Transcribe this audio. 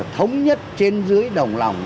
thống nhất trên dưới đồng lòng